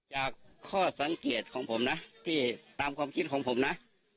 จากข้อสังเกตของผมนะที่ตามความคิดของผมนะ